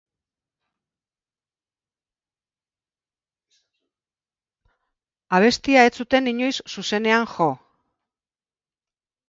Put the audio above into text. Abestia ez zuten inoiz zuzenean jo.